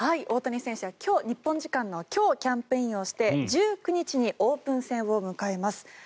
大谷選手は日本時間の今日キャンプインをして１９日にオープン戦を迎えます。